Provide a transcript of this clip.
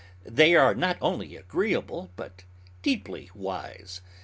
They are not only agreeable, but deeply wise.